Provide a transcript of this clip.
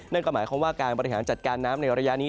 นั่นก็หมายความว่าการบริหารจัดการน้ำในระยะนี้